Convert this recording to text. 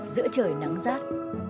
giữa trời nắng rát